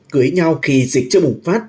cưới nhau khi dịch chưa bùng phát